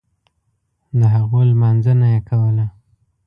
دهغو لمانځنه یې کوله.